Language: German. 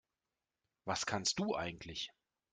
Was kannst du eigentlich?